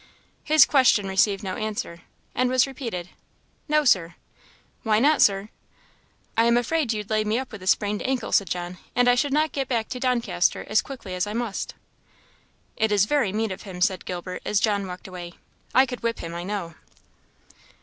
His question received no answer, and was repeated. "No, Sir." "Why not, Sir?" "I am afraid you'd lay me up with a sprained ankle," said John, "and I should not get back to Doncaster as quickly as I must." "It is very mean of him," said Gilbert, as John walked away "I could whip him, I know."